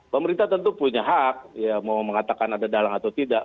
pemerintah tentu punya hak mau mengatakan ada dalang atau tidak